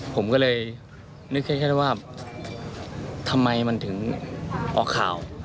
ผมก็เลยนึกแค่ได้ว่าทำไมมันถึงออกข่าว